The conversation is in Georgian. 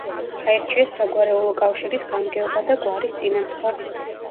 აირჩიეს საგვარეულო კავშირის გამგეობა და გვარის წინამძღოლი.